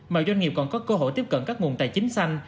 mà doanh nghiệp còn có cơ hội tiếp cận các nguồn tài chính xanh